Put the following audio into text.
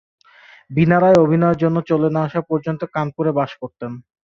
বীণা রায় অভিনয়ের জন্য চলে না আসা পর্যন্ত কানপুরে বাস করতেন।